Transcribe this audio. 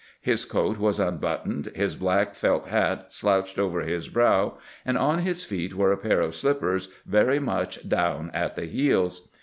His coat was unbuttoned, his black felt hat slouched over his brow, and on his feet were a pair of slippers very much down at the heels.